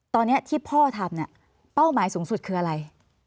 ตอนนี้ที่พ่อทำเนี่ยเป้าหมายสูงสุดคืออะไร